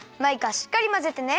しっかりまぜてね！